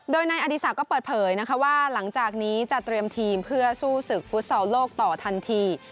โดยนายอดีศักดิ์ก็เปิดเผยนะคะว่าหลังจากนี้จะเตรียมทีมเพื่อสู้ศึกฟุตซอลโลกต่อทันที